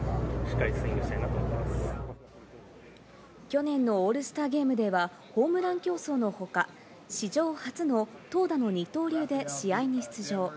去年のオールスターゲームではホームラン競争のほか、史上初の投打の二刀流で試合に出場。